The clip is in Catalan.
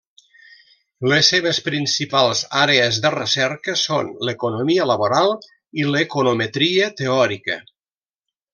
Les seves principals àrees de recerca són l'economia laboral i l'econometria teòrica.